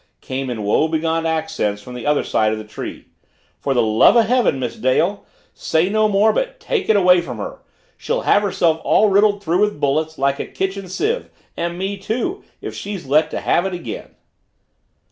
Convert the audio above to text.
came in woebegone accents from the other side of the tree. "For the love of heaven, Miss Dale, say no more but take it away from her she'll have herself all riddled through with bullets like a kitchen sieve and me too if she's let to have it again."